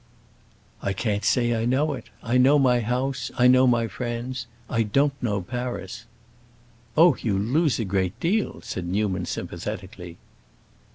"I can't say I know it. I know my house—I know my friends—I don't know Paris." "Oh, you lose a great deal," said Newman, sympathetically.